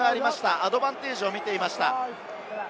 アドバンテージを見ていました。